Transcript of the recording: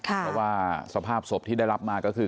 เพราะว่าสภาพศพที่ได้รับมาก็คือ